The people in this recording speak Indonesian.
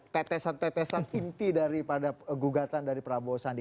tetesan tetesan inti daripada gugatan dari prabowo sandi